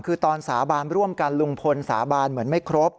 คือตอนสาบานร่วมกันลุงพลสาบานเหมือนไม่ครบ